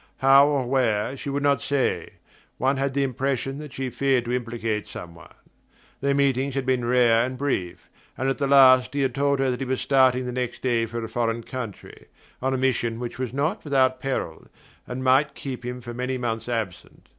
How or where she would not say one had the impression that she feared to implicate some one. Their meetings had been rare and brief; and at the last he had told her that he was starting the next day for a foreign country, on a mission which was not without peril and might keep him for many months absent.